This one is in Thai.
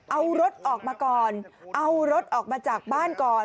เอารถออกมาก่อนเอารถออกมาจากบ้านก่อน